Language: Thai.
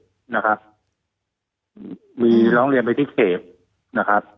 นะครับมีร้องเรียนไปที่เขตนะครับ